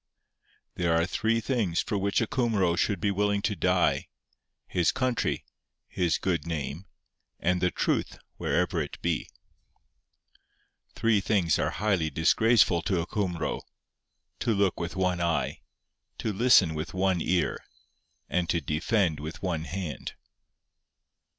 'There are three things for which a Cumro should be willing to die: his country, his good name, and the truth wherever it be. 'Three things are highly disgraceful to a Cumro: to look with one eye, to listen with one ear, and to defend with one hand.